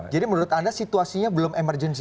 menurut anda situasinya belum emergency